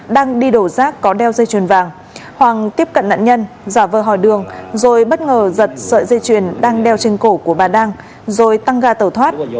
đang đi đổ rác có đeo dây chuyền vàng hoàng tiếp cận nạn nhân dò vơ hòi đường rồi bất ngờ giật sợi dây chuyền đang đeo trên cổ của bà đăng rồi tăng ga tàu thoát